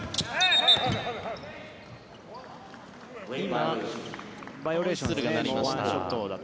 今、バイオレーションが鳴りました。